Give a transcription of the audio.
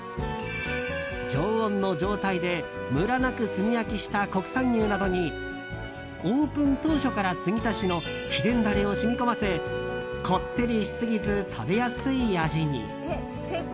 常温の状態でムラなく炭火焼きした福岡の国産牛などにオープン当初から継ぎ足しの秘伝ダレを染み込ませこってりしすぎず食べやすい味に。